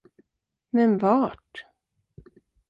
Men vart?